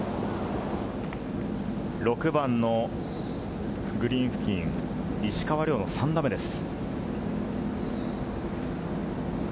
６番のグリーン付近、石川遼の３打目です。